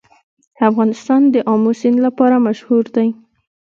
افغانستان د آمو سیند لپاره مشهور دی.